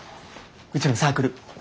うちのサークル。